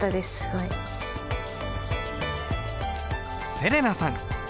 せれなさん。